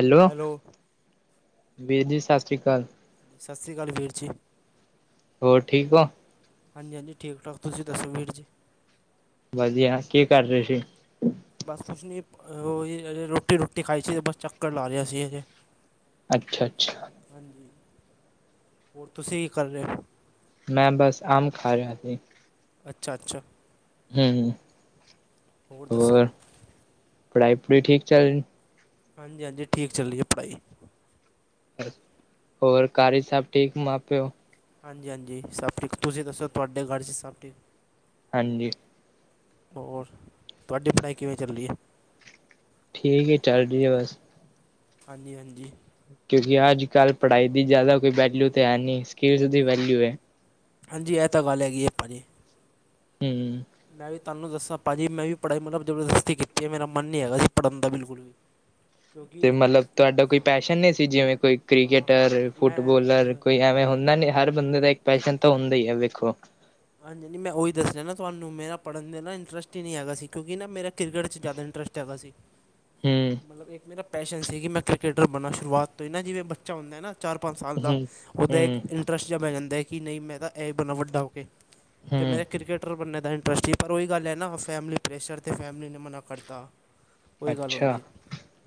Hello ਓ ਵੀਰ ਜੀ ਈ ਸ਼ਸ਼ਰੀ ਕਾਲ ਸ਼ਸ਼ਰੀ ਕਾਲ ਵੀਰ ਜੀ ਈ ਹੋਰ ਠੀਕ ਹੋ ਹਾਂਜੀ ਈ ਹਾਂਜੀ ਈ ਠੀਕ ਠਾਕ ਆ ਤੁਸੀਂ ਦਸੋ ਵੀਰ ਜੀ ਈ ਵਧੀਆ ਕੀ ਕਰ ਰਹੇ ਸੀ ਈ ਬਸ ਕੁਛ ਨੀ ਰੋ ਐ ਜੀ ਰੋਟੀ ਰੂਟੀ ਖਾਈ ਸੀ ਤੇ ਬਸ ਚੱਕਰ ਲਾ ਰਿਹਾ ਸੀ ਹਜੇ ਏ ਅੱਛਾ ਆ ਅੱਛਾ ਆ ਹਾਂਜੀ ਈ ਤੁਸੀਂ ਕੀ ਕਰ ਰਹੇ ਓ ਮੈਂ ਬਸ ਅੰਬ ਖਾ ਰਿਹਾ ਅਜੇ ਏ ਅੱਛਾ ਆ ਅੱਛਾ ਆ ਐ ਮ ਹੋਰ ਪੜ੍ਹਾਈ ਪੜੁਈ ਠੀਕ ਚੱਲ ਰਈ ਹਾਂਜੀ ਈ ਹਾਂਜੀ ਈ ਠੀਕ ਚੱਲ ਰਹੀ ਐ ਪੜ੍ਹਾਈ ਈ ਹੋਰ ਘਾਰ ਚ ਸਭ ਠੀਕ ਮਾਂ ਪਿਓ ਹਾਂਜੀ ਈ ਹਾਂਜੀ ਈ ਸਭ ਠੀਕ ਤੁਸੀਂ ਦੱਸੋ ਤੁਹਾਡੇ ਘਰ ਚ ਸਭ ਠੀਕ ਈ ਹਾਂਜੀ ਈ ਹੋਰ ਤੁਹਾਡੀ ਈ ਪੜ੍ਹਾਈ ਕਿਵੇਂ ਚੱਲ ਰਹੀ ਐ ਠੀਕ ਹੀ ਚੱਲ ਰਹੀ ਐ ਬਸ ਐ ਹਾਂਜੀ ਈ ਹਾਂਜੀ ਈ ਕਿਉਂਕਿ ਅੱਜ ਕੱਲ੍ਹ ਪੜ੍ਹਾਈ ਦੀ ਜ਼ਿਆਦਾ ਕੋਈ ਵੈਲਿਊ ਤਾਂ ਐ ਨਹੀਂ ਸਕਿਲਸ ਦੀ ਵੈਲਊ ਐ ਹਾਂਜੀ ਈ ਐ ਤਾਂ ਗੱਲ ਹੈਗੀ ਐ ਪਾਜੀ ਈ ਹੂੰ ਤਾਨੂੰ ਦੱਸਾਂ ਭਾਜੀ ਮੈਂ ਵੀ ਪੜ੍ਹਾਈ ਮਤਲਬ ਜ਼ਬਰਦਸਤੀ ਕੀਤੀ ਐ ਮੇਰਾ ਮਨ ਨੀ ਹੈਗਾ ਸੀ ਪੜ੍ਹਨ ਦਾ ਬਿਲਕੁਲ ਵੀ ਤੇ ਕਿਉਂਕਿ ਮਲਬ ਤੁਹਾਡਾ ਕੋਈ ਹਾਂ ਪੈਸ਼ਨ ਨਹੀਂ ਸੀ ਜਿਵੇਂ ਕੋਈ ਹਾਂ ਕ੍ਰਿਕਟਰ ਹਾਂ ਮੈਂ ਫੁੱਟਬੋਲਰ ਕੋਈ ਐਵੇਂ ਹੁੰ ਨਾਂ ਨਈ ਹਰ ਬੰਦੇ ਦਾ ਇੱਕ ਪੈਸ਼ਨ ਤਾਂ ਹੁੰਦਾ ਈ ਐ ਵੇਖੋ ਓ ਹਾਂਜੀ ਈ ਹਾਂਜੀ ਈ ਮੈਂ ਉਹੀ ਦੱਸ ਆ ਨਾ ਤੁਹਾਨੂੰ ਮੇਰਾ ਪੜ੍ਹਨ ਦੇ ਨਾ ਇੰਟਰਸਟ ਈ ਨੀ ਹੈਗਾ ਸੀ ਕਿਉਂਕਿ ਨਾ ਮੇਰਾ ਕ੍ਰਿਕਟ ਚ ਜ਼ਿਆਦਾ ਇੰਟਰਸਟ ਹੈਗਾ ਸੀ ਹਮ ਮਲਬ ਇੱਕ ਮੇਰਾ ਪੈਸ਼ਨ ਸੀ ਕਿ ਮੈਂ ਕ੍ਰਿਕੇਟਰ ਬਣਾ, ਸ਼ੁਰੂਆਤ ਤੋਂ ਹੀ ਨਾ। ਜਿਵੇਂ ਬੱਚਾ ਹੁੰਦੈ ਨਾ ਚਾਰ-ਪੰਜ ਸਾਲ ਦਾ, ਹਮ ਓਹਦਾ ਇੱਕ ਹਮ ਇੰਟਰੱਸਟ ਜਿਹਾ ਪੈ ਜਾਂਦਾ ਕਿ ਨਈ ਮੈਂ ਤਾਂ ਐਹ ਬਣਨਾ ਵੱਡਾ ਹੋ ਕੇ ਤੇ ਹਮ ਮੇਰਾ ਕਿਰਕੇਟ ਕ੍ਰਿਕੇਟਰ ਬਣਨ ਦਾ ਇੰਟਰਸਟ ਸੀ ਪਰ ਓਈ ਗੱਲ ਹੈ ਨਾ, ਫੈਮਲੀ ਪ੍ਰੈਸ਼ਰ ਤੇ ਫੈਮਲੀ ਨੇ ਮਨਾ ਕਰਤਾ। ਉਹੀ ਗੱਲ ਅੱਛਾ। ਹੁੰਦੀ ਹੈ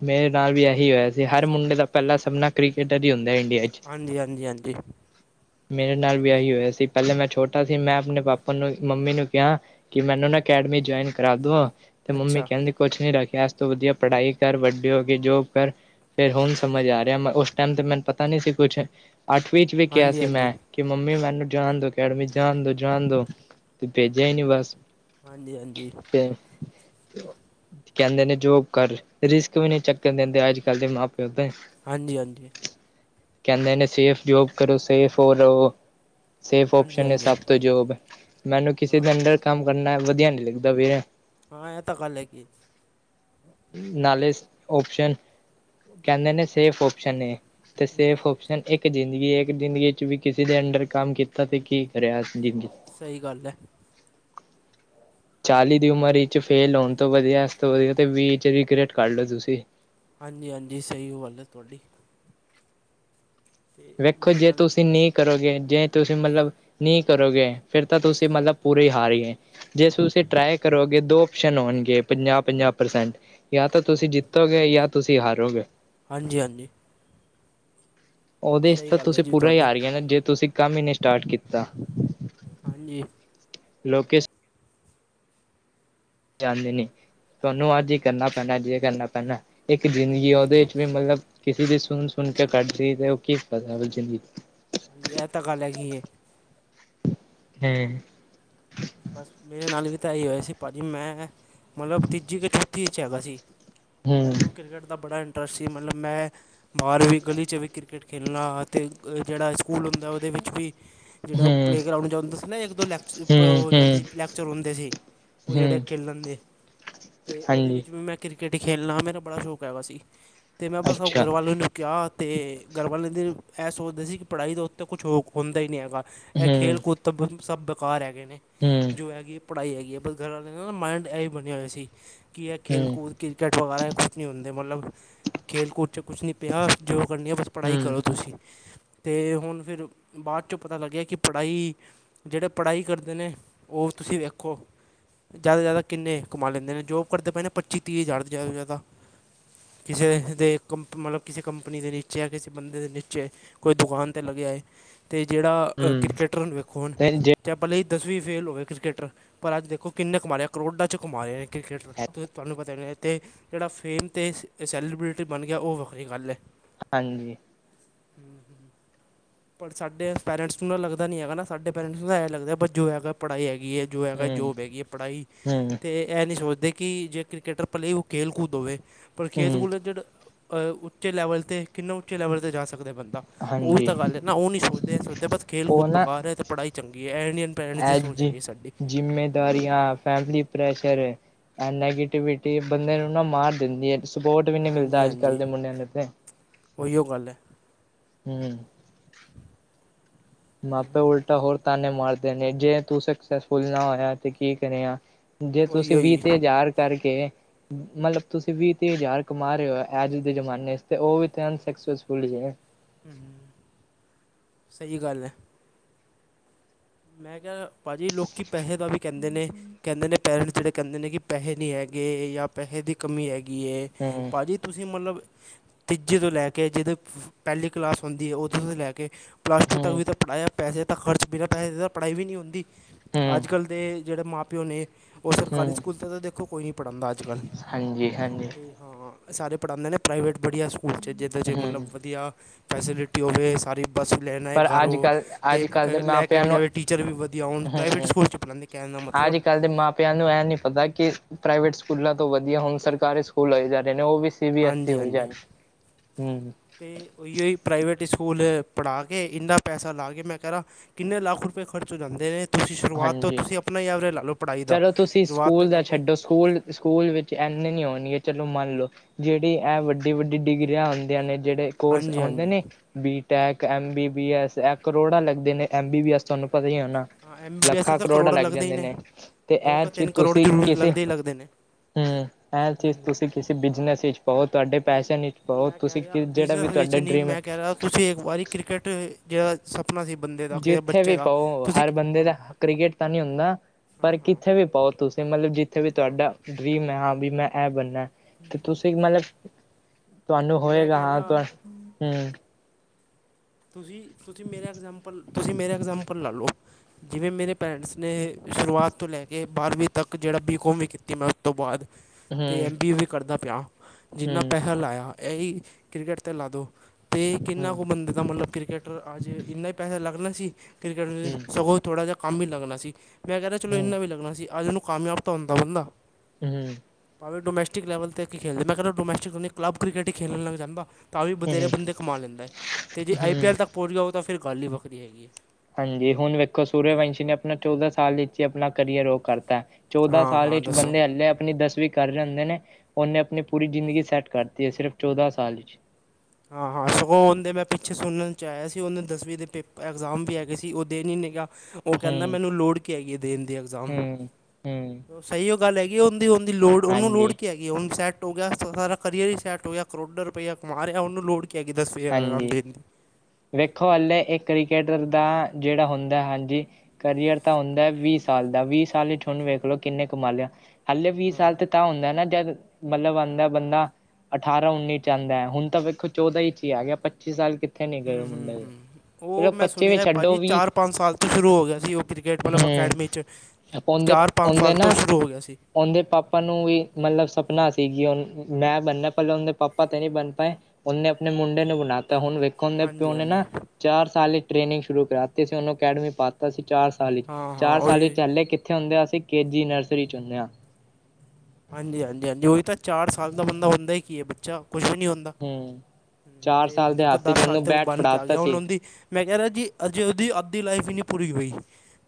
ਮੇਰੇ ਨਾਲ ਵੀ ਐਹੀ ਹੋਇਆ ਸੀ। ਹਰ ਮੁੰਡੇ ਦਾ ਪਹਿਲਾ ਸਪਨਾ ਕ੍ਰਿਕੇਟਰ ਹੀ ਹੁੰਦੈ ਇੰਡੀਆ ਚ। ਹਾਂਜੀ-ਹਾਂਜੀ-ਹਾਂਜੀ। ਮੇਰੇ ਨਾਲ ਵੀ ਐਈ ਹੋਇਆ ਸੀ। ਪਹਿਲੇ ਮੈਂ ਛੋਟਾ ਸੀ, ਮੈਂ ਆਪਣੇ ਪਾਪਾ ਨੂੰ, ਮੰਮੀ ਨੂੰ ਕਿਹਾ ਕਿ ਮੈਨੂੰ ਨਾ ਅਕੈਡਮੀ ਜੁਆਇਨ ਕਰਾ ਦੋ, ਤੇ ਮੰਮੀ ਅੱਛਾ ਕਹਿੰਦੀ ਕੁਛ ਨੀ ਰੱਖਿਆ ਐਸ ਤੋਂ ਵਦੀਆ ਪੜ੍ਹਾਈ ਕਰ, ਵੱਡੇ ਹੋ ਕੇ ਜੋਬ ਕਰ ਫੇਰ ਹੁਣ ਸਮਝ ਆ ਰਿਹਾ, ਮੈਂ ਉਸ ਟਾਈਮ ਤੇ ਮੈਨੂੰ ਪਤਾ ਨਹੀਂ ਸੀ, ਕੁਛ ਅੱਠਵੀਂ ਚ ਵੀ ਕਿਹਾ ਹਾਂਜੀ ਸੀ ਹਾਂਜੀ ਮੈਂ। ਕਿ ਮੰਮੀ ਮੈਨੂੰ ਜਾਨ ਦੋ, ਅਕੈਡਮੀ ਜਾਨ ਦੋ, ਜਾਨ ਦੋ, ਤੇ ਭੇਜਿਆ ਹੀ ਨੀ ਬਸ। ਹਾਂਜੀ-ਹਾਂਜੀ। [inaudible] ਕਹਿੰਦੇ ਨੇ ਜੋਬ ਕਰ, ਰਿਸਕ ਵੀ ਨਹੀਂ ਚੱਕਣ ਦਿੰਦੇ ਅੱਜ-ਕੱਲ ਦੇ ਮਾਂ-ਪਿਓ ਤੇ। ਹਾਂਜੀ-ਹਾਂਜੀ। ਕਹਿੰਦੇੇ ਨੇ, ਸੇਫ ਜੋਬ ਕਰੋ, ਸੇਫ ਹੋ ਰਹੋ। ਸੇਫ ਹਾਂਜੀ ਓਪਸ਼ਨ ਹੈ ਹਾਂਜੀ ਸਭ ਤੋਂ ਜੋਬ ਮੈਨੂੰ ਕਿਸੇ ਹਾਂ ਦੇ ਅੰਡਰ ਕੰਮ ਕਰਨਾ ਵਦੀਆ ਨੀ ਲੱਗਦਾ, ਵੀਰੇ। ਹਾ, ਐਹ ਤਾਂ ਗੱਲ ਹੈਗੀ। ਨਾਲੇ ਓਪਸ਼ਨ ਕਹਿੰਦੇ ਨੇ ਸੇਫ ਓਪਸ਼ਨ ਏ ਤੇ ਹੂੰ ਸੇਫ ਓਪ -ਸ਼ਨ ਇੱਕ ਜ਼ਿੰਦਗੀ ਐ। ਇੱਕ ਜ਼ਿੰਦਗੀ 'ਚ ਵੀ ਕਿਸੇ ਦੇ ਅੰਡਰ ਕੰਮ ਕੀਤਾ, ਤੇ ਕੀ [inaudible] ਸਹੀ ਗੱਲ ਹੈ ਚਾਲੀ ਦੀ ਉਮਰ ਇਚ ਫੇਲ ਹੋਣ ਤੋਂ ਵਦੀਆ ਦੀਆ, ਤੇ ਵੀਹ ਚ ਰਿਗਰੈਟ ਕਰ ਲਓ, ਤੁਸੀਂ। ਹਾਂਜੀ-ਹਾਂਜੀ, ਸਈ ਗੱਲ ਐ ਤੁਹਾਡੀ। ਅਤੇ ਵੇਖੋ, ਮੇਰੇ ਜੇ ਨਾਲ ਤੁਸੀਂ ਨਈ ਕਰੋਗੇ, ਜੇ ਤੁਸੀਂ ਮਲਬ ਨੀ ਕਰੋਗੇ, ਫਿਰ ਤਾਂ ਤੁਸੀਂ ਮਤਲਬ ਪੂਰੇ ਹਾਰ ਈ ਗਏ। ਜੇ ਤੁਸੀਂ ਟਰਾਈ ਕਰੋਗੇ, ਦੋ ਓਪਸ਼ਨ ਹੋਨਗੇ ਪੰਜਾਹ-ਪੰਜਾਹ ਪ੍ਰਸੈਂਟ ਯਾ ਤੇ ਤੁਸੀਂ ਜਿੱਤੋਗੇ ਯਾ ਤੁਸੀਂ ਹਾਰੋਗੇ। ਹਾਂਜੀ-ਹਾਂਜੀ। ਓਹਦੇ ਚ ਸਹੀ ਤੇ ਗੱਲ ਹੈ ਤੁਸੀਂ ਜੀ ਪੂਰਾ ਈ ਤੁਹਾਡੀ ਹਾਰ ਗੇ ਨਾ, ਜੇ ਤੁਸੀਂ ਕੰਮ ਈ ਨਈ ਸਟਾਰਟ ਕੀਤਾ। ਹਾਂਜੀ। ਲੋਕ [unintelligible] ਜਾਂਦੇ ਨੇ, ਤੁਹਾਨੂੰ ਆਜ ਹੀ ਕਰਨਾ ਪੈਨਾ, ਜੇ ਕਰਨਾ ਪੈਨਾ। ਇੱਕ ਜ਼ਿੰਦਗੀ ਐ, ਓਹਦੇ ਵਿੱਚ ਵੀ ਮਲਬ ਕਿਸੀ ਦੀ ਸੁਨ-ਸੁਨ ਕੇ ਕੱਡ ਦੇਈ ਦਾ, ਕੀ ਫੈਦਾ ਐਵੇ ਦੀ ਜਿੰਦਗੀ ਦਾ। ਜੀ, ਐਹ ਤਾ ਗੱਲ ਐਹੀ ਏ। [inaudible] ਬਸ, ਮੇਰੇ ਨਾਲ ਵੀ ਤਾਂ ਐਹੀ ਹੋਇਆ ਸੀ। ਭਾਜੀ, ਮੈਂ, ਮਤਲਬ, ਤੀਜੀ ਕੇ ਚੌਥੀ ਵਿੱਚ ਹੈਗਾ ਸੀ। ਹੂੰ ਮੈਨੂੰ ਕਿਰਕਟ ਦਾ ਬੜਾ ਇੰਟਰਸਟ ਸੀ, ਮਲਬ ਮੈਂ ਬਾਹਰ ਵੀ ਗਲੀ ਚ ਵੀ ਕਿਰਕੇਟ ਖੇਲਣਾ ਅਤੇ ਜੇਹੜਾ ਸਕੂਲ ਹੁੰਦਾ, ਓਹਦੇ ਵਿੱਚ ਵੀ ਜੇੜਾ ਹੂੰ ਪਲੇਗਰਾਊਂਡ ਜਾ ਹੁੰਦਾ ਸੀ ਨਾ, ਇੱਕ ਦੋ ਲੈਕਚਰ ਹੂੰ ਉਪ ਹੂੰ ਜਾਂਦੇ ਲੈਕਚਰ ਹੁੰਦੇ ਸੀ, ਓਹ ਜਿਹੜੇ ਹੂੰ ਖੇਲਣ ਦੇ ਤੇ ਓਹਦੇ ਹਾਂਜੀ ਵਿੱਚ ਵੀ ਮੈਂ ਕਿਰਕੇਟ ਖੇਲਨਾ ਮੇਰਾ ਬੜਾ ਸ਼ੌਕ ਹੈਗਾ ਸੀ, ਤੇ ਮੈਂ ਬਸ ਅਬ ਅੱਛਾ ਘਰਵਾਲੋਂ ਨੇ ਕਿਆ ਤੇ ਘਰਵਾਲੇ ਤੇ ਐਹ ਸੋਚਦੇ ਸੀ ਕਿ ਪੜ੍ਹਾਈ ਦੇ ਉੱਤੇ ਕੁਛ ਹੋਰ ਹੁੰਦਾ ਹੀ ਨਈ ਹੈਗਾ। ਐਹ ਹੂੰ, ਖੇਲ-ਕੂਦ ਤੇ ਸਭ ਬੇਕਾਰ ਹੈਗੇ ਨੇ। ਹੂੰ, ਜੋ ਹੈਗੀ ਏ ਪੜ੍ਹਾਈ ਹੈਗੀ ਏ ਪਰ ਘਰਵਾਲੇ ਨੇ ਨਾ, ਮਾਇਂਡ ਇਹ ਹੀ ਬਨਿਆ ਹੋਇਆ ਸੀ ਕਿ ਇਹ ਹੂੰ, ਖੇਲ-ਕੂਦ ਕ੍ਰਿਕਟ ਵਗੈਰਾ ਕੁਛ ਨਹੀਂ ਹੁੰਦੇ, ਮਤਲਬ ਖੇਲ-ਕੂਦ ਚ ਕੁਛ ਨਹੀਂ ਪਿਆ, ਜੋ ਕਰਨੀ ਬਸ ਪੜ੍ਹਾਈ ਹੂੰ, ਕਰੋ ਤੁਸੀਂ ਤੇ ਹੁਨ ਫਿਰ, ਬਾਅਦ ਚੋਂ ਪਤਾ ਲੱਗਿਆ ਕਿ ਪੜ੍ਹਾਈ ਜਿਹੜੇ ਪੜ੍ਹਾਈ ਕਰਦੇ ਨੇ ਉਹ ਤੁਸੀਂ ਵੇਖੋ ਜ਼ਿਆਦਾ ਤੋਂ ਜ਼ਿਆਦਾ ਕਿੰਨੇ ਕਮਾ ਲੈਂਦੇ ਨੇ ਜੋਬ ਕਰਦੇ ਪਏ ਨੇ, ਪੱਚੀ-ਤੀਹ ਹਜ਼ਾਰ, ਜ਼ਿਆਦਾ ਤੋਂ ਜ਼ਿਆਦਾ ਕਿਸੇ ਦੇ ਮਤਲਬ ਕਿਸੇ ਕੰਪਨੀ ਦੇ ਨੀਚੇ ਆ ਕਿਸੇ ਬੰਦੇ ਦੇ ਨੀਚੇ ਕੋਈ ਦੁਕਾਨ ਤੇ ਲੱਗਿਆ ਏ ਤੇ ਜੇਹੜਾ ਹੂੰ ਕ੍ਰਿਕੇਟਰ ਵੇਖੋ ਹੁਣ ਤੇ ਜੇ ਜਾਂ ਭਲੇ ਦਸਵੀਂ ਫੇਲ ਹੋਏ ਕ੍ਰਿਕੇਟਰ, ਪਰ ਅੱਜ ਦੇਖੋ ਕਿੰਨੇ ਕਮਾ ਰਹੇ ਕਰੋਡਾਂ ਚ ਕਮਾ ਰਹੇ ਏ ਇਕ-ਇਕ ਕ੍ਰਿਕਟਰ ਤੁਹਾਨੂੰ ਪਤਾ ਈ ਐ ਤੇ ਜਿਹੜਾ ਫੇਮ ਤੇ ਸੈਲੀਬ੍ਰਿਟੀ ਬਨ ਗਿਆ, ਉਹ ਵੱਖਰੀ ਗੱਲ ਏ ਹਾਂਜੀ। ਹੰ ਹੰ ਪਰ ਸਾਡੇ ਪੇਰੈਂਟਸ ਨੂੰ ਨਾ ਲੱਗਦਾ ਨਹੀਂ ਹੈਗਾ ਨਾ ਸਾਡੇ ਪੇਰੈਂਟਸ ਨੂੰ ਤਾਂ ਐ ਲੱਗਦਾ ਪਰ ਜੋ ਹੈਗਾ ਪੜ੍ਹਾਈ ਹੈਗੀ ਐ ਜੋ ਹੈਗਾ ਹੂੰ, ਜੋਬ ਹੈਗੀ ਏ ਪੜ੍ਹਾਈ ਹੂੰ, ਤੇ ਇਹ ਨਹੀਂ ਸੋਚਦੇ ਕਿ ਜੇ ਕ੍ਰਿਕੇਟਰ ਭਲੇ ਹੀ ਉਹ ਖੇਲ ਕੂਦ ਹੋਵੇ ਪਰ ਖੇਲ ਹੂੰ ਕੂਦ ਜਿੜ ਉੱਚੇ ਲੈਵਲ ਤੇ ਕਿੰਨੇ ਉੱਚੇ ਲੈਵਲ 'ਤੇ ਜਾ ਸਕਦਾ ਬੰਦਾ ਉਹ ਵੀ ਹਾਂਜੀ। ਤਾਂ ਗੱਲ ਹੈ ਨਾ ਉਹ ਨਹੀਂ ਸੋਚਦੇ, ਇਹ ਸੋਚਦੇ ਬਸ ਖੇਲ ਉਹ ਕੂਦ ਨਾ ਬੇਕਾਰ ਹੈ ਤੇ ਪੜ੍ਹਾਈ ਚੰਗੀ ਹੈ, ਏਹ ਇੰਡੀਅਨ ਪੇਰੈਂਟਸ ਦੀ ਸੋਚ ਹੈਗੀ ਸਾਡੀ ਹਾਂ ਫੈਮਲੀ ਪ੍ਰੈਸ਼ਰ ਐ ਨੈਗੇਟਿਵਿਟੀ ਬੰਦੇ ਨੂੰ ਨਾ ਮਾਰ ਦਿੰਦੀ ਐ ਸਪੋਰਟ ਵੀ ਨੀ ਹਾਂਜੀ ਮਿਲਦਾ ਅੱਜ ਕੱਲ ਹਾਂਜੀ ਦੇ ਮੁੰਡਿਆਂ ਨੂੰ ਤੇ। ਉਹੀਓ ਗੱਲ ਐ ਹੂਂ। ਮਾਪੇ ਉਲਟਾ ਹੋਰ ਤਾਨੇ ਮਾਰਦੇ ਨੇ ਜੇ ਤੂੰ ਸਕਸੈਸਫੁਲ ਨਾ ਹੋਇਆ ਤੇ ਕੀ ਕਰੇਗਾ ਜੇ ਉਹੀ ਤੁਸੀਂ ਵੀਹ ਉਹੀ ਤੀਹ ਹਜ਼ਾਰ ਕਰਕੇ ਮਤਲਬ ਤੁਸੀਂ ਵੀਹ-ਤੀਹ ਹਜ਼ਾਰ ਕਮਾ ਰਹੇ ਔ ਅੱਜ ਦੇ ਜਮਾਨੇ ਚ, ਤੇ ਉਹ ਵੀ ਤੇ ਅਨਸੈਕਸਫੁਲ ਈ ਏ ਹੂਂ ਸਹੀ ਗੱਲ ਐ ਮੈਂ ਕਿਹਾ ਭਾਜੀ ਲੋਕੀ ਪੈਹੇ ਦਾ ਵੀ ਕਹਿੰਦੇ ਨੇ ਕਹਿੰਦੇ ਨੇ ਪੇਰੈਂਟਸ ਜਿਹੜੇ ਕਹਿੰਦੇ ਨੇ, ਕਿ ਪੈਹੇ ਨਹੀਂ ਹੈਗੇ ਯਾ ਪੈਹੇ ਦੀ ਕਮੀ ਹੈਗੀ ਏ ਹੂੰ ਭਾਅ ਜੀ ਤੁਸੀਂ ਮਤਲਬ ਤੀਜੇ ਤੋਂ ਲੈ ਕੇ ਜਿਦੋਂ ਪਹਿਲੀ ਕਲਾਸ ਹੁੰਦੀ ਹੈ ਉਹਦੋਂ ਤੋਂ ਲੈ ਕੇ ਪਲੱਸ ਟੂ ਤੱਕ ਹੂੰ ਵੀ ਤਾਂ ਪੜ੍ਹਾਇਆ, ਪੋਸੇ ਤਾਂ ਖਰਚ ਬਿਨਾਂ ਪੈਸੇ ਦੇ ਤਾਂ ਪੜ੍ਹਾਈ ਵੀ ਨਹੀਂ ਹੁਂਦੀ, ਹੂੰ ਅੱਜ ਕੱਲ ਦੇ ਜਿਹੜੇ ਮਾਂ ਪਿਓ ਨੇ ਉਹ ਸਰਕਾਰੀ ਹੂੰ ਸਕੂਲ ਤਾਂ ਦੇਖੋ ਕੋਈ ਨਹੀਂ ਪੜ੍ਹਾਦਾ ਅੱਜ ਕੱਲ ਹਾਂਜੀ ਹਾਂਜੀ ਹਾਂ, ਏਹ ਸਾਰੇ ਪੜ੍ਹਾਂਦੇ ਨੇ ਪ੍ਰਾਈਵੇਟ ਵਦੀਆ ਸਕੂਲ 'ਚ ਜਿਹਦੇ 'ਚ ਮਤਲਬ ਹੂੰ ਵਦੀਆ ਫੈਸਿਲਿਟੀ ਹੋਵੇ ਸਾਰੀ ਬੱਸ ਲੈਨ ਆਏ ਪਰ ਅੱਜ ਘਰੋਂ ਕੱਲ ਤੇ ਅੱਜ ਕੱਲ੍ਹ ਦੇ ਲੈ ਮਾਪਿਆਂ ਨੂੰ ਜਾਵੇ ਟੀਚਰ ਵੀ ਵਦੀਆ ਹੋਨ ਪ੍ਰਾਈਵੇਟ ਹੂੰ ਸਕੂਲ 'ਚ ਪੜ੍ਹਾਉਦੇ ਕਹਿਣ ਦਾ ਮਤਲਬ ਕਈਆਂ ਨੂੰ ਇਹ ਨੀ ਪਤਾ, ਕਿ ਪ੍ਰਾਈਵੇਟ ਸਕੂਲਾਂ ਤੋਂ ਵਦੀਆ ਹੁਨ ਸਰਕਾਰੀ ਸਕੂਲ ਹੋਏ ਜਾ ਰਹੇ ਨੇ ਉਹ ਵੀ ਸੀ ਬੀ ਐਸ ਈ ਹਾਂਜੀ- ਹੋਈ ਜਾ ਹਾਂਜੀ। ਰਹੇ ਹੂੰ ਤੇ ਉਹੀ ਓਈ ਪ੍ਰਾਈਵੇਟ ਸਕੂਲ ਪੜ੍ਹਾਕੇ ਇਨਾ ਪੈਸਾ ਲਾਕੇ ਮੈਂ ਕਹਿ ਰਹਾ ਕਿੰਨੇ ਲੱਖ ਰੁਪਏ ਖਰਚ ਹੋ ਜਾਂਦੇ ਨੇ ਤੁਸੀਂ ਸ਼ੁਰੂਆਤ ਤੋਂ ਹਾਂਜੀ ਤੁਸੀਂ ਅਪਨਾ ਹੀ ਐਵਰੇਜ ਲਾ ਲਓ ਪੜ੍ਹਾਈ ਦਾ, ਚਲੋ ਤੁਸੀਂ ਸ਼ੁਰੂਆਤ ਤੋਂ ਸਕੂਲ ਦਾ ਲੈ ਕੇ ਛੱਡੋ ਸਕੂਲ -ਸਕੂਲ ਵਿੱਚ ਐਨੇ ਨਹੀਂ ਹੋਨੀਏ ਚਲੋ ਮੰਨ ਲਓ ਜਿਹੜੀ ਇਹ ਵੱਡੀ-ਵੱਡੀ ਡਿਗਰੀਆਂ ਹੁੰਦੀਆਂ ਨੇ ਜਿਹੜੇ ਕੋਰਸ ਹਾਂਜੀ ਹੁੰਦੇ ਹਾਂਜੀ ਨੇ B Tech, M B B S ਏ ਕਰੋੜਾਂ ਲੱਗਦੇ ਨੇ ਐਮ ਬੀ ਬੀ ਐੱਸ ਤੁਹਾਨੂੰ ਪਤਾ ਈ ਏਨਾ ਹਾਂ ਐਮ ਬੀ ਬੀ ਐਸ ਦੇ ਲੱਖਾਂ ਤਾਂ ਕਰੋੜ ਲੱਗ ਲੱਗਦੇ ਹੀ ਜਾਂਦੇ ਨੇ, ਤੇ ਦੋ ਇਹ ਕੁ ਚੀਜ਼ ਤਿੰਨ ਕਰੋੜ ਤੁਸੀਂ ਜ਼ਰੂਰ ਕਿਸੇ ਲੱਗਦੇ ਹੀ ਲੱਗਦੇ ਨੇ ਹੂਂ, ਇਹ ਚੀਜ਼ ਹੂੰ ਤੁਸੀਂ ਕਿਸੇ ਹਾਂ ਬਿਜਨੇਸ ਇਚ ਪਾਉ ਤੁਹਾਡੇ ਨਹੀਂ ਪੈਸ਼ਨ ਵਿੱਚ ਪਾਉ ਮੈਂ ਕਹਿ ਤੁਸੀਂ ਰਿਹਾ ਕਿ ਜਿਹੜਾ ਵੀ ਬਿਜ਼ਨਸ ਵਿੱਚ ਤੁਹਾਡਾ ਨਹੀਂ ਡਰੀਮ ਏ ਮੈਂ ਕਹਿ ਰਿਹਾ ਤੁਸੀਂ ਇੱਕ ਵਾਰੀ ਕ੍ਰਿਕਟ ਜੇੜਾ ਸਪਨਾ ਸੀ ਬੰਦੇ ਦਾ ਕਿਸੇ ਜਿੱਥੇ ਬੱਚੇ ਵੀ ਦਾ ਪਾਓ ਤੁਸੀਂ ਹਰ ਬੰਦੇ ਹਾਂ ਦਾ ਕ੍ਰਿਕਟ ਤਾਂ ਨੀ ਹੁੰਦਾ, ਹਾਂ ਪਰ ਹਾਂ ਕਿੱਥੇ ਵੀ ਪਾਓ ਤੁਸੀਂ ਮਤਲਬ ਜਿੱਥੇ ਵੀ ਹਾਂ ਤੁਆਡਾ ਡਰੀਮ ਲੈ ਹਾਂ ਬੀ ਮੈਂ ਏ ਬਨਨਾ ਤੇ ਤੁਸੀਂ ਮਤਲਬ ਤੁਆਨੂੰ ਮੈਂ ਹੋਏਗਾ ਕਹਿ ਹਾਂ ਰਿਹਾ ਤੁਆਨੂੰ ਹੂੰ। ਤੁਸੀਂ-ਤੁਸੀਂ ਮੇਰਾ ਇਗਜ਼ਾਮਪਲ ਤੁਸੀਂ ਮੇਰਾ ਇਗਜ਼ਾਮਪਲ ਲਾ ਲੋ। ਜਿਵੇਂ ਮੇਰੇ ਪੇਰੈਂਟਸ ਨੇ ਸ਼ੁਰੂਆਤ ਤੋਂ ਲੈ ਕੇ ਬਾਰ੍ਹਵੀਂ ਤੱਕ, ਜੇੜਾ ਬੀਕੌਮ ਵੀ ਕੀਤੀ ਮੈਂ ਤੋਂ ਬਾਅਦ ਤੇ ਹੂੰ ਐੱਮ ਬੀ ਏ ਵੀ ਕਰਦਾ ਪਿਆ ਜਿੰਨਾ ਹੂੰ ਪੈਸਾ ਲਾਏਆ ਏਹੀ ਕ੍ਰਿਕਟ ਤੇ ਲਾ ਦੋ ਤੇ ਹੂੰ ਕਿੰਨਾ ਹੂੰ ਕੁ ਬਨਦਾ। ਦਾਂ ਮਤਲਬ ਕ੍ਰਿਕਟਰ ਅੱਜ ਇਨਾ ਹੀ ਪੈਸਾ ਲੱਗਨਾ ਸੀ, ਕ੍ਰਿਕਟਰ ਸਗੋਂ ਥੋੜਾ ਜਾ ਕੰਮ ਵੀ ਲੱਗਨਾ ਸੀ, ਮੈਂ ਕੈ ਚਲੋ ਹੂੰ ਇੰਨਾ ਵੀ ਲੱਗਨਾ ਸੀ, ਅੱਜ ਓਨੂੰ ਕਾਮਯਾਬ ਤਾਂ ਹੁੰਦਾ ਬੰਦਾ। ਹੂੰ। ਭਾਵੇਂ ਡੋਮਸਟਿਕ ਲੈਵਲ ਤੇ ਖੇਲੇ, ਮੈਂ ਕੈਨਾ ਡੋਮਸਟਿਕ ਕੱਲਬ ਕਿ੍ਕਟ ਈ ਖੇਲਨ ਲਗ ਜਾਂਦਾ। ਤਾਂ ਵੀ ਬਥੇਰੇ ਹੂੰ ਬੰਦੇ ਕਮਾ ਲੈਂਦਾ ਐ, ਤੇ ਜੇ ਆਈ ਪੀ ਹੂੰ ਐੱਲ ਤੱਕ ਪੌਂਚ ਗਿਆ ਹੋਵੇ ਤਾਂ ਫਿਰ ਗੱਲ ਈ ਵੱਖਰੀ ਹੈਗੀ ਐ। ਹਾਂਜੀ ਹੁਨ ਵੇਖੋ ਸੂਰਯਵੰਸ਼ੀ ਨੇ ਆਪਨਾ ਚੌਦਾਂ ਸਾਲ ਵਿੱਚ ਈ ਆਪਨਾ ਕਰੀਅਰ ਓ ਕਰਤਾ। ਚੌਦਾਂ ਹਾਂ ਸਾਲ ਹਾਂ ਵਿੱਚ ਦੱਸੋ ਬੰਨੇ ਹੱਲੇ ਆਪਨੀ ਦਸਵੀਂ ਕਰ ਜਾਂਦੇ ਨੇ, ਓਨੇ ਆਪਨੀ ਪੂਰੀ ਜ਼ਿੰਦਗੀ ਸੈੱਟ ਕਰਤੀ ਏ ਸਿਰਫ ਚੌਦਾਂ ਸਾਲ ਵਿੱਚ। ਹਾਂ-ਹਾਂ ਸੋ ਓ ਓਦੇ ਮੈਂ ਪਿੱਛੇ ਸੁਣਨ ਚ ਆਏਆ ਸੀ ਓਨੂੰ ਦਸਵੀਂ ਦੇ ਪੇਪ ਇਗਜ਼ਾਮ ਵੀ ਹੈਗੇ ਸੀ ਓ ਦੇਨ ਈ ਨਈਂ ਗਿਆ। ਓ ਕੈਂਦਾ ਹੂੰ ਮੈਨੂੰ ਲੋੜ ਕੀ ਹੈਗੀ ਐ ਦੇਨ ਦੀ ਐਗਜ਼ਾਮ ਹੂੰ ਹੂੰ ਸਈ ਓ। ਗੱਲ ਹੈਗੀ ਓਦੀ ਓਂਦੀ ਲੋੜ ਓਨੂੰ ਲੋੜ ਹਾਂਜੀ ਕੀ ਹੈਗੀ। ਕਿ ਹੁਨ ਸੈਟ ਹੋ ਗਿਆ ਸਾਰਾ ਕਰੀਅਰ ਹੀ ਸੈਟ ਹੋ ਗਿਆ ਕਰੋੜਾਂ ਰੁਪੈਆ ਕਮਾ ਰੇਹਾ ਓਨੂੰ ਲੋੜ ਕੀ ਕੀ ਹੈਗੀ ਦੱਸ ਵੀ ਹਾਂਜੀ ਆਂਦੀ। ਵੇਖੋ ਹਾਲੇ ਏ ਕ੍ਰਿਕਟਰ ਦਾ ਜੇੜਾ ਹੁੰਦਾ ਹਾਂਜੀ। ਕਰੀਅਰ ਤਾਂ ਹੁੰਦਾ ਵੀਹ ਸਾਲ ਦਾ ਵੀਹ ਸਾਲ ਵਿੱਚ ਹੁਨ ਵੇਖ ਲੋ ਕਿੰਨੇ ਕਮਾ ਲਿਆ। ਹਲੇੇ ਵੀਹ ਸਾਲ ਤੇ ਤਾਂ ਹੁੰਦਾ ਨਾ ਜਦ ਮਤਲਬ ਆਂਦਾ ਬੰਦਾ ਅਠਾਰਾਂ ਉੱਨੀ ਚ ਆਂਦੈ ਹੁਨ ਤਾਂ ਵੇਖੋ ਚੌਦਾਂ ਵਿੱਚ ਈ ਆ ਗਿਆ ਪੱਚੀ ਸਾਲ ਕੇ ਕਿਥੇ ਨੀ ਗਏ ਓ ਮੁੰਡੇ ਦੇ। ਓ ਮੈਂ ਵੀ ਸੁਨੇਆ ਛੱਡੋ ਭਾਜੀ ਵੀਹ ਚਾਰ ਪੰਜ ਸਾਲ ਤੋਂ ਸ਼ੁਰੂ ਹੋ ਗਿਆ ਸੀ ਓ ਕ੍ਰਿਕਕੇਟ ਮਤਲਬ ਹਮ ਅਕੈਡਮੀ ਚ ਚਾਰ ਪੰਜ ਸਾਲ ਤੋਂ ਸ਼ੁਰੂ ਹੋ ਗਿਆ ਸੀ। ਓਦੇ ਪਾਪਾ ਨੂੰ ਵੀ ਮਤਲਬ ਸਪਨਾ ਸੀਗੀ ਕਿ ਓ ਮੈਂ ਬਣਨਾ ਪੈਲਾਂ ਓਦੇ ਪਾਪਾ ਤਾਂ ਨਈਂ ਬਨ ਪਾਏ। ਓਨੇ ਆਪਨੇ ਮੁੰਡੇ ਨੂੰ ਬਨਾਤਾ ਹੁਨ ਵੇਖੋ ਓਦੇ ਹਾਂਜੀ ਪਿਓ ਨੇ ਹਾਂਜੀ ਨਾ ਚਾਰ ਸਾਲ ਵਿਚ ਟ੍ਰੇਨਿੰਗ ਸ਼ੁਰੂ ਕਰਾਤੀ ਸੀ ਓਨੂੰ ਅਕੈਡਮੀ ਪਾਤਾ ਸੀ ਚਾਰ ਸਾਲ ਵਿਚ ਹਾਂ ਹਾਂ ਚਾਰ ਸਾਲ ਉਹੀ ਵਿਚ ਉਹੀ। ਚੱਲੇ ਓਥੇ ਹੁੰਦੇ ਆ ਅਸੀਂ ਕੇ ਜੀ ਨਰਸਰੀ ਚ ਹੁੰਨੇ ਆਂ। ਹਾਂਜੀ-ਹਾਂਜੀ-ਹਾਂਜੀ ਓਈ ਤਾਂ ਚਾਰ ਸਾਲ ਦਾ ਬੰਦਾ ਹੁੰਦਾ ਈ ਕੀ ਐ ਬੱਚਾ ਕੁਛ ਵੀ ਨੀ ਹੁੰਦਾ। ਦਾ ਹੂੰ ਚਾਰ ਤੇ ਹੁਨ ਸਾਲ ਦੇ ਦੇਖੋ ਹੱਥ ਦਸ 'ਚ ਸਾਲ ਉਹਨੂੰ ਤੇ ਓ ਬੈਟ ਬਨ ਕੇ ਆ ਫੜਾਤਾ ਗਿਆ ਹੁਨ ਸੀ ਓਦੀ ਮੈਂ ਕੈ ਰਿਆ ਜੀ ਅਜੇ ਓਦੀ ਆਪਦੀ ਲਾਈਫ ਈ ਨਈਂ ਪੂਰੀ ਹੋਈ।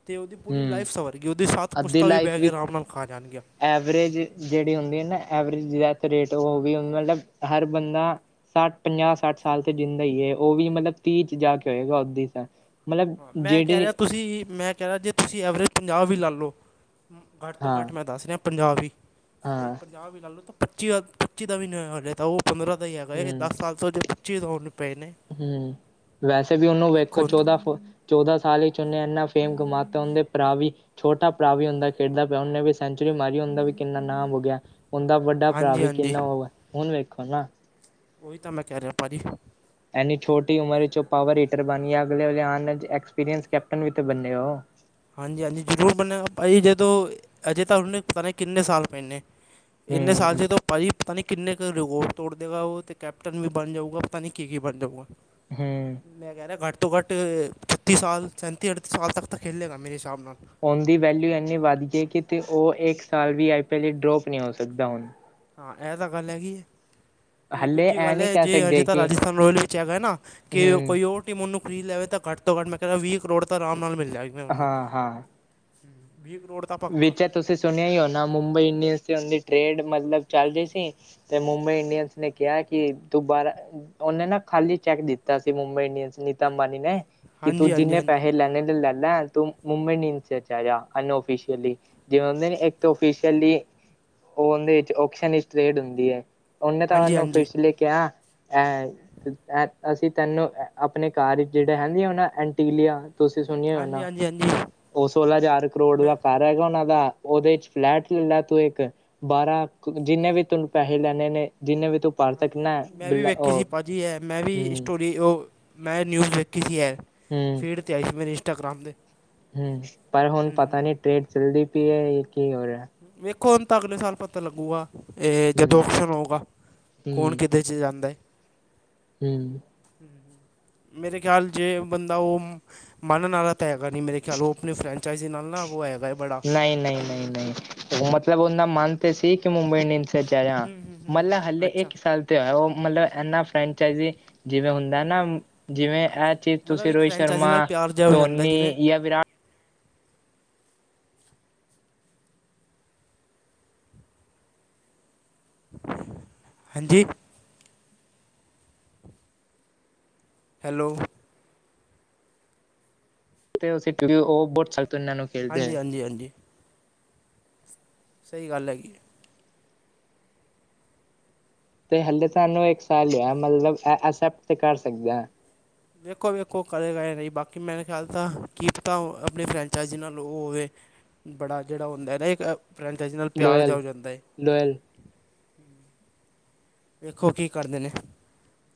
ਤੇ ਓਦੀ ਪੂਰੀ ਹੂੰ ਲਾਈਫ ਸਵਰਗੀ ਓਦੀ ਸਾਥ ਅੱਧੀ ਪੁਸ਼ਤਾ ਵੀ ਬੈ ਲਾਈਫ ਕੇ ਆਰਾਮ ਨਾਲ ਖਾ ਜਾਨਗੀਆਂ। ਐਵਰੇਜ ਜੇੜੀ ਹੁੰਦੀ ਐ ਨਾ ਐਵਰੇਜ ਦੀ ਡੈਥ ਰੇਟ ਓ ਵੀ ਮਤਲਬ ਹਰ ਬੰਦਾ ਸੱਠ ਪੰਜਾਹ ਸੱਠ ਸਾਲ ਤੇ ਜਿੰਦਾ ਈ ਐ ਓ ਵੀ ਮਤਲਬ ਤੀਹ ਚ ਜਾ ਕੇ ਹੋਏਗਾ ਓਦੀ ਮਤਲਬ ਹਾਂ ਮੈਂ ਕੈ ਜਿਹੜੇ ਰਿਆ ਤੁਸੀਂ ਮੈਂ ਕੈ ਰਿਆ ਜੇ ਤੁਸੀਂ ਐਵਰੇਜ ਪੰਜਾਹ ਵੀ ਲਾ ਲੋ। ਘੱਟ ਤੋਂ ਘੱਟ ਹਾਂ ਮੈਂ ਦੱਸ ਰਿਆ ਪੰਜਾਬੀ ਤੇ ਪੰ ਹਾਂ ਪੰਜਾਹ ਵੀ ਲਾ ਲੋ ਤਾਂ ਪੱਚੀ-ਪੱਚੀ ਦਾ ਵੀ ਨਈਂ ਓ ਹਲੇ ਤਾਂ ਓ ਪੰਦਰਾਂ ਦਾ ਈ ਹੈਗਾ ਏ ਦਸ ਸਾਲ ਤੋਂ ਬਾਦ ਜੇ ਪੱਚੀ ਦਾ ਪਏ ਨੇ ਹੂੰ ਵੈਸੇ ਵੀ ਓਨੂੰ ਵੇਖੋ ਹੁਣ ਤੁਸੀਂ। ਚੌਦਾਂ ਫ ਚੌਦਾਂ ਸਾਲ ਓਨੇ ਇੰਨਾ ਫੇਮ ਕਮਾਤਾ ਓਦੇ ਭਰਾ ਵੀ ਛੋਟਾ ਭਰਾ ਵੀ ਹੁੰਦਾ ਖੇਡਦਾ ਪਿਆ ਓਨੇ ਵੀ ਸੈਂਚੁਰੀ ਮਾਰੀ ਓਦਾ ਵੀ ਕਿੰਨਾ ਨਾਮ ਹੋ ਗਿਆ ਓਦਾ ਵੱਡਾ ਭਰਾ ਹਾਂਜੀ ਵੀ ਹਾਂਜੀ ਕਿੰਨਾ ਓ ਏ ਹੁਨ ਵੇਖੋ ਨਾ ਓਈ ਤਾਂ ਮੈਂ ਕੈ ਰਿਆ ਭਾਜੀ। ਐਨੀ ਛੋਟੀ ਉਮਰ ਵਿਚ ਓ ਪਾਵਰ ਹੀਟਰ ਬਣ ਗਿਆ ਅਗਲੇ ਅਲੇ ਆਣ ਐਕਸਪੀਰੀਅੰਸ ਕੈਪਟਨ ਵੀ ਤੇ ਬੰਨੇ ਓ। ਹਾਂਜੀ-ਹਾਂਜੀ ਜ਼ਰੂਰ ਬਣਿਆ ਗਾ ਭਾਅ ਜੀ ਜਦੋਂ ਅਜੇ ਤਾਂ ਉਨੇ ਪਤਾ ਨੀ ਕਿੰਨੇ ਸਾਲ ਪਏ ਨੇ। ਏਨੇ ਸਾਲ ਹੂੰ ਚ ਤੋਂ ਭਾਅਜੀ ਪਤਾ ਨੀ ਕਿੰਨੇ ਕ ਰਿਗੋਵ ਤੋੜ ਦੇਗਾ ਓ ਤੇ ਕੈਪਟਨ ਵੀ ਬਣ ਜਾਊਗਾ ਪਤਾ ਨੀ ਕੀ-ਕੀ ਬਣ ਜਾਊਗਾ। ਹੂੰ। ਮੈਂ ਕੈ ਰਿਆ ਘੱਟ ਤੋਂ ਘੱਟ ਛੱਤੀ ਸਾਲ ਸੈਂਤੀ ਅਠੱਤੀ ਸਾਲ ਤੱਕ ਤਾਂ ਖੇਲੇੇਗਾ ਮੇਰੇ ਸ਼ਿਸਾਬ ਨਾਲ। ਔਨ ਦੀ ਵੈਲਿਊ ਐੰਨੀ ਵੱਧ ਗੀਐ ਕਿਤੇ ਓ ਇੱਕ ਸਾਲ ਵੀ ਆਈ ਪੀ ਲਈ ਡਰੋਪ ਨੀ ਹੋ ਸਕਦਾ ਹੁਣ। ਹਾਂ ਐ ਤਾਂ ਗੱਲ ਹੈਗੀ। ਤੇ ਹਲੇ ਦੂਜੀ ਇਹ ਗੱਲ ਨਹੀਂ ਐ ਕਹਿ ਜੇ ਅਜੇ ਸਕਦੇ ਤਾਂ ਕਿ ਰਾਜਸਥਾਨ ਰੋਇਲ ਵਿੱਚ ਹੈਗਾ ਨਾ ਕੇ ਹੂੰ ਕੋਈ ਓ ਟੀ ਮਨੂੰ ਫਰੀ ਲੈਵੇ ਤਾਂ ਘੱਟ ਤੋਂ ਘੱਟ ਮੈਂ ਕੈਦਾ ਵੀਹ ਕਰੋੜ ਤਾਂ ਆਰਾਮ ਨਾਲ ਮਿਲ ਜਾਏਗਾ ਉਨੂੰ ਹਾਂ ਹਾਂ ਵੀਹ ਕਰੋੜ ਤਾਂ ਪੱਕਾ ਵਿੱਚ ਤੁਸੀਂ ਸੁਣਿਆ ਈ ਹੋ ਨਾ ਮੁੰਬਈ ਇੰਡੀਅਨਸ ਦੀ ਟੇਡ ਮਤਲਬ ਚੱਲ ਰੀ ਸੀ। ਤੇ ਮੁੰਬਈ ਇੰਡੀਅਨਸ ਨੇ ਕਿਆ ਕੀ ਤੂੰ ਬਾਰਾ ਓਨੇ ਨਾ ਖਾਲੀ ਚੈੱਕ ਦਿੱਤਾ ਸੀ ਮੁੰਬਈ ਇੰਡੀਅਨਸ ਨੀਤਾ ਅੰਬਾਨੀ ਨੇ ਕੀ ਹਾਂਜੀ ਤੂੰ ਹਾਂਜੀ ਜਿੰਨੇ ਹਾਂਜੀ ਪੈੇਹੇ ਲੈਨੇ ਨੇ ਲੈਲਾ [unintelligible] [unintelligible] ਜਿਵੇਂ ਹੁੰਦੇ ਨੀ ਇੱਕ ਤਾਂ ਓਫੀਸ਼ਅਲੀ ਔਨਦੇ ਵਿੱਚ ਓਪਸ਼ਨ [unintelligible] ਟਰੇਡ ਹੁੰਦੀ ਐ ਓਨੇ ਤਾਂ ਹਾਂਜੀ ਉਨੂੰ ਹਾਂਜੀ ਫਿਰਸਲੇ ਕਿਆ ਐ ਤੇ ਐ ਅਸੀਂ ਤੈਨੂੰ ਆਪਣੇ ਘਰ ਵਿਚ ਜੇੜਾ ਹੈਦੀ ਆ ਨਾ ਐਂਟੀਲੀਆ ਤੁਸੀਂ ਸੁਣਿਆ ਹਾਂਜੀ ਹੋਨਾ ਹਾਂਜੀ ਹਾਂਜੀ ਮੈਂ ਓ ਸੋਲਾਂ ਹਜ਼ਾਰ ਕਰੋੜ [unintelligible] ਘਰ ਹੈਗਾ ਓਨਾ ਦਾ ਓਦੇ ਚ ਫਲੈਟ ਲੈਲਾ ਤੂੰ ਇੱਕ ਬਾਰਾਂ ਜਿੰਨੇ ਵੀ ਤੁਨ ਪੈਸੇ ਲੈਣੇ ਨੇ ਜਿੰਨੇ ਵੀ ਤੂੰ ਭਰ ਹਾਂਜੀ ਸਕਣਾ ਮੈਂ ਵੀ ਬਲ ਵੇਖੀ ਸੀ ਉਹ ਭਾਜੀ ਐ ਮੈਂ ਵੀ ਹੂੰ ਸਟੋਰੀ ਓ ਮੈਂ ਨਿਊਜ਼ ਵੇਖੀ ਸੀ ਐ। ਹੂੰ। ਫੀਡ ਤੇ ਆਈ ਸੀ ਮੇਰੇ ਇੰਸਾਗ੍ਰਾਮ ਦੇ। ਹੂੰ ਪਰ ਹੁਣ ਹੂੰ ਹੂੰ ਪਤਾ ਨੀ ਟਰੇੇਡ ਚੱਲਦੀ ਪਈ ਐ ਏ ਕੀ ਹੋ ਰਿਐ। ਵੇਖੋ ਹੁਣ ਤਾਂ ਅਗਲੇ ਸਾਲ ਪਤਾ ਲੱਗੂਗਾ ਏ ਹੂੰ ਜਦੋਂ ਓਪਸ਼ਨ ਹੋਊਗਾ ਕੌਣ ਹੂੰ ਕਿਤੇ ਚ ਜਾਂਦੈ। ਹੂੰ। ਮੇਰੇ ਖਿਆਲ ਜੇ ਬੰਦਾ ਓ। ਮਨਣ ਆਲਾ ਤਾਂ ਹੈਗਾ ਨੀ ਮੇਰੇ ਖਿਆਲ ਓ ਆਪਣੀ ਫੈਂਚਾਈਜ਼ ਨਾਲ ਨਾ ਵੋ ਹੈਗਾ ਏ। ਨਈ-ਨਈ-ਨਈ-ਨਈ ਓ ਮਤਲਬ ਔਨਦਾ ਮਨ ਤੇ ਸੀ ਕੀ ਮੁੰਬਈ ਇੰਡੀਅਨਸ ਹੂੰ ਹੂੰ [unintelligible] ਮੰਨ ਲੈ ਹੂੰ ਹੱਲੇ ਅੱਛਾ ਇੱਕ ਸਾਲ [unintelligible] ਓ ਮਤਲਬ ਐਨਾ ਫਰੈਂਚਾਈਜ਼ ਜਿਵੇਂ ਹੁੰਦਾ ਨਾ ਜਿਵੇਂ ਐ ਚੀ ਮਤਲਬ ਤੁਸੀਂ ਇੱਕ ਰੋਹਿਤ ਫਰੈਂਚਾਈਜ਼ੀ ਸ਼ਰਮਾ, ਨਾਲ ਪਿਆਰ ਜਿਹਾ ਹੋ ਜਾਂਦਾ ਧੋਨੀ ਜਿਵੇਂ ਯਾਂ ਵਿਰਾ ਹੈਂਜੀ? ਹੈਲੋ। [unintelligible] ਨੂੰ ਖੇਲਦੇ ਹੈ। ਹਾਂਜੀ-ਹਾਂਜੀ-ਹਾਂਜੀ। ਸਈ ਗੱਲ ਹੈਗੀ। ਤੇ ਹਲੇ ਤੁਹਾਨੂੰ ਇੱਕ ਸਾਲ ਲਿਆ ਮਤਲਬ ਅ ਅਸੈਪਟ ਤੇ ਕਰ ਸਕਦੇ ਆ। ਵੇਖੋ-ਵੇਖੋ ਕਰੇਗਾ ਯਾਂ ਨਈ ਬਾਕੀ ਮੇਰੇ ਖਿਆਲ ਤਾਂ ਕੀ ਪਤਾ ਆਪਣੀ ਫਰੈਂਚਾਈਜ਼ ਨਾਲ ਓ ਹੋਵੇ ਬੜਾ ਜੇੜਾ ਹੁੰਦਾ ਐ ਨਾ ਇੱਕ ਫਰੈਂਚਾਈਜ਼ ਨਾਲ ਪਿਆਰ ਜਾ ਹੋ ਜਾਂਦਾ ਏ। ਲੋੋਇਲ। ਵੇਖੋ ਕੀ ਕਰਦੇ ਨੇ।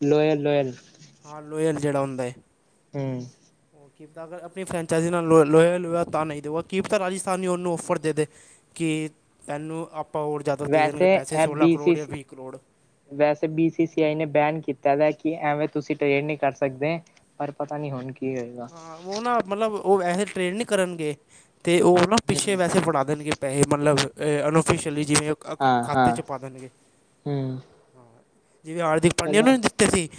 ਲੋੋਇਲ- ਲੋੋਇਲ। ਹਾ, ਲੋਇਲ ਜੇੜਾ ਹੁੰਦਾ ਏ। ਹੂੰ-ਹੂੰ। ਉਹ ਕਿ ਅਗਰ ਆਪਣੀ ਫਰੈਂਚਾਈਜ਼ ਨਾਲ ਲੋਇਲ-ਲਇਲ ਤਾਂ ਨਹੀਂ ਤੇ ਕੀ ਤਾਂ ਰਾਜਸਥਾਨੀ ਉਹਨੂੰ ਔਫਰ ਦੇ ਦੇ। ਕਿ ਤੈਨੂੰ ਆਪਾਂ ਹੋਰ ਜ਼ਿਆਦਾ ਦੇ ਦੇਣਗੇ ਵੈਸੇ ਪੈਸੇ ਇਹ ਸੋਲਾਂ ਬੀ ਕਰੋੜ ਸੀ ਜਾਂ ਸੀ ਵੀਹ ਕਰੋੜ। ਵੈਸੇ ਬੀ ਸੀ ਸੀ ਆਈ ਨੇ ਬੈਨ ਕੀਤਾ ਦਾ ਕਿ ਐਵੇਂ ਤੁਸੀਂ ਟਰੇਡ ਨੀ ਕਰ ਸਕਦੇ। ਪਰ ਪਤਾ ਨੀ ਹੁਣ ਕੀ ਹੈਗਾ। ਹਾਂ ਉਹ ਨਾ ਮਤਲਬ ਉ ਵੈੇਸੇ ਟਰੇੇਡ ਨੀ ਕਰਨਗੇ ਤੇ ਉਹ ਨਾ ਪਿੱਛੇ ਪੈਸੇ ਫੜਾ ਦੇਣਗੇ। ਪੈਸੇ ਮਤਲਬ ਅਨ ਔਫਿਸ਼ਅਲੀ ਜਿਵੇਂ ਹਾਂ ਖਾਤੇ ਹਾਂ 'ਚ ਪਾ ਦੇਣਗੇ। ਹੂੰ ਜਿਵੇਂ ਹਾਰਦਿਕ ਪਾਂਡਿਆ ਚਲੋ ਨੂੰ ਦਿੱਤੇ ਸੀ।